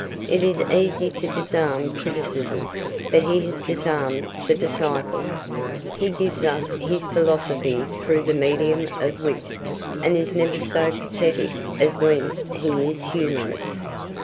It is easy to disarm criticism, but he has disarmed the disciple. He gives us his philosophy through the medium of wit, and is never so pathetic as when he is humorous.